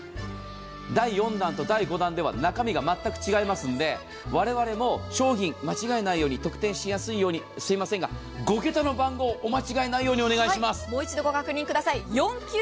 第４弾と第５弾では中身が全く違いますので、我々も商品間違えないように、特定しやすいようにすいませんが、５桁の番号お間違えのないようにお願いします。